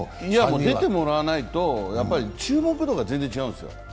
出てもらわないと注目度が全然違うんですよ。